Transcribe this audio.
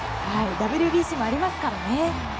ＷＢＣもありますからね。